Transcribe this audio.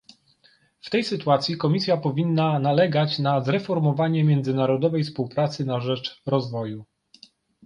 W tej sytuacji Komisja powinna nalegać na zreformowanie międzynarodowej współpracy na rzecz rozwoju